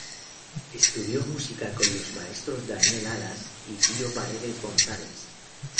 Estudio música con los maestros Daniel Alas y Pío Paredes Gonzáles.